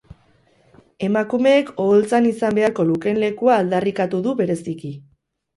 Emakumeek oholtzan izan beharko lukeen lekua aldarrikatu du bereziki.